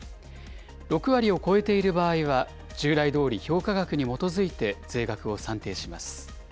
６割を超えている場合は、従来どおり評価額に基づいて税額を算定します。